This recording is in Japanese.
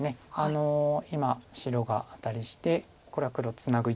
今白がアタリしてこれは黒ツナぐ